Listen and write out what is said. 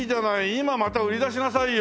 今また売り出しなさいよ。